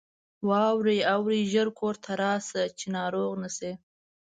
واوره اوري ! ژر کورته راسه ، چې ناروغ نه سې.